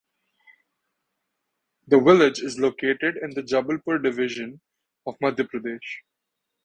The village is located in the Jabalpur division of Madhya Pradesh.